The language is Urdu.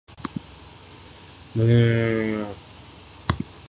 درستی کا یہ عالم ہے۔